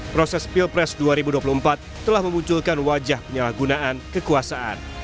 proses pilpres dua ribu dua puluh empat telah memunculkan wajah penyalahgunaan kekuasaan